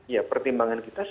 ya pertimbangan kisih kisih